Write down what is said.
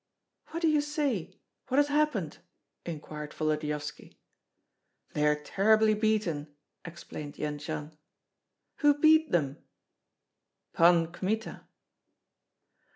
"What do you say? What has happened?" inquired Volodyovski. "They are terribly beaten!" explained Jendzian. "Who beat them?" "Pan Kmita."